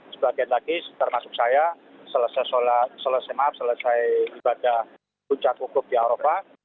sebagian lagi termasuk saya selesai ibadah kunca khutbah di aropah